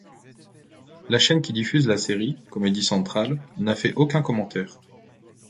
La chaîne qui diffuse la série, Comedy Central, n'a fait aucun commentaire.